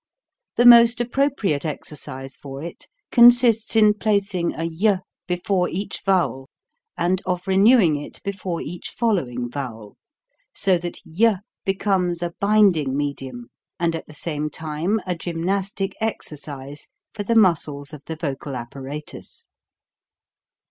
The most appropriate exercise for it consists in placing a y before each vowel and 270 PRONUNCIATION. CONSONANTS 271 of renewing it before each following vowel, so that y becomes a binding medium and at the same time a gymnastic exercise for the muscles of the vocal apparatus.